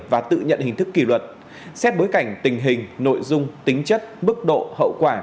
và tự nhận hình thức kỷ luật xét bối cảnh tình hình nội dung tính chất mức độ hậu quả